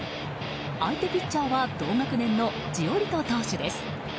相手ピッチャーは同学年のジオリト投手です。